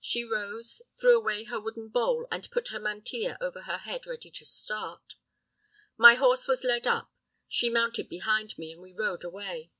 She rose, threw away her wooden bowl, and put her mantilla over her head ready to start. My horse was led up, she mounted behind me, and we rode away.